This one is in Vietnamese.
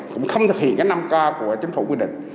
cũng không thực hiện cái năm k của chính phủ quy định